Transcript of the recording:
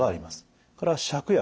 それから芍薬。